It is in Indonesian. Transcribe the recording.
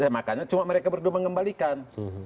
makanya cuma mereka berdua mengembalikan